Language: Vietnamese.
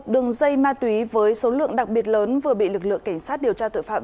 đường dây ma túy với số lượng đặc biệt lớn vừa bị lực lượng cảnh sát điều tra tội phạm